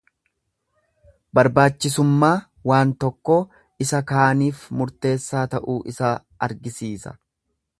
Barbaachisummaa waan tokkoo, isa kaaniif murteessaa ta'uu isaa argisiisa.